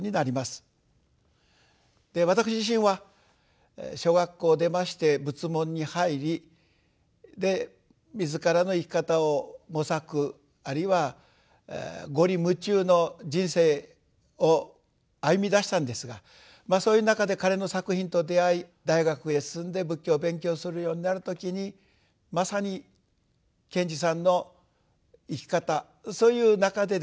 私自身は小学校を出まして仏門に入りで自らの生き方を模索あるいは五里霧中の人生を歩みだしたんですがそういう中で彼の作品と出会い大学へ進んで仏教を勉強するようになる時にまさに賢治さんの生き方そういう中でですね